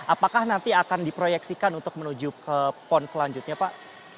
apakah nanti akan diproyeksikan untuk menuju ke pon selanjutnya pak